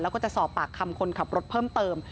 แล้วก็จะสอบปากคำคนขับรถเพิ่มเติม